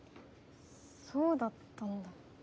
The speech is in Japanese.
そうだったんだ